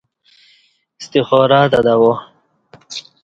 استخارہ تہ دوا